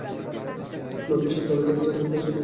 বাকী সব দাঁড়াঝাঁপ, যা মুখে আসে গুরুদেব জুটিয়ে দেন।